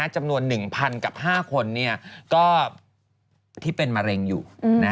จำนวน๑๐๐กับ๕คนก็ที่เป็นมะเร็งอยู่